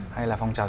hay là phong trào